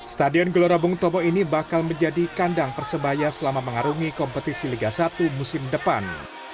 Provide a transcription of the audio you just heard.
stadion gelora bung tomo ini bakal menjadi kandang persebaya selama mengarungi kompetisi liga satu musim depan